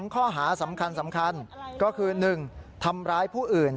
ข้อหาสำคัญก็คือ๑ทำร้ายผู้อื่น